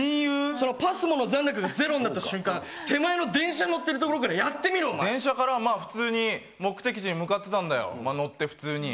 そのＰＡＳＭＯの残高が０になった瞬間、手前の電車乗ってる電車から、まあ普通に目的地に向かってたんだよ、乗って、普通に。